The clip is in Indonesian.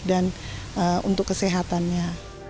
dan untuk kesehatannya